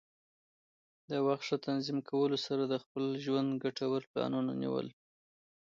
د وخت ښه تنظیم کولو سره د خپل ژوند ګټوره پلانول.